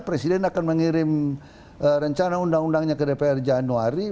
presiden akan mengirim rencana undang undangnya ke dpr januari